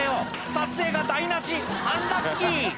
撮影が台無しアンラッキー